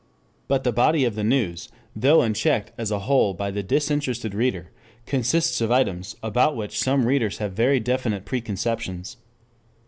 But the body of the news, though unchecked as a whole by the disinterested reader, consists of items about which some readers have very definite preconceptions.